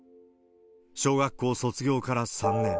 小学校卒業から３年。